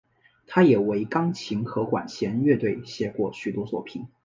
他也为钢琴和管弦乐队写过许多作品。